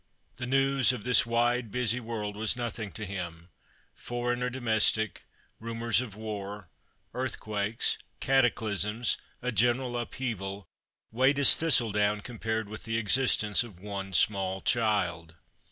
The news of this wide busy world was nothing to him — foreign or domestic, rumours of war, earthquakes, cataclysms, a general upheaval, weighed as thistledown compared with the existence of one small child.